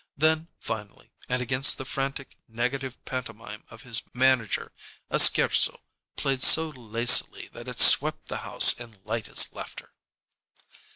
Then, finally, and against the frantic negative pantomime of his manager, a scherzo, played so lacily that it swept the house in lightest laughter.